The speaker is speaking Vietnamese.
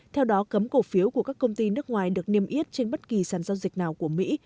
theo đó cấm cổ phiếu của các công ty nước ngoài được niêm yết trên bất kỳ sàn giao dịch nào của mỹ